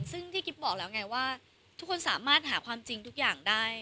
ซึ่งที่กิ๊บบอกแล้วไงว่าทุกคนสามารถหาความจริงทุกอย่างได้